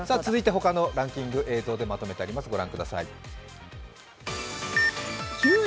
続いて他のランキング映像でまとめてあります。